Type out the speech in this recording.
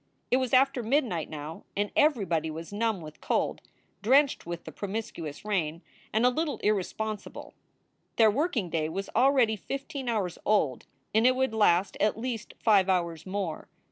It was after midnight now and everybody was numb with cold, drenched with the promiscuous rain, and a little irre sponsible. Their working day was already fifteen hours old and it would last at least five hours more.